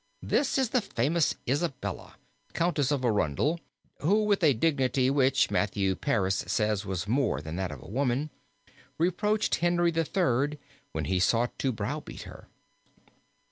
This is the famous Isabella, Countess of Arundel, who with a dignity which, Matthew Paris says, was more than that of woman, reproached Henry III (1252), when he sought to browbeat her.